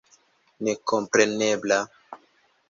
nekomprenebla